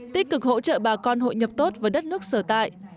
tích cực hỗ trợ bà con hội nhập tốt với đất nước sở tại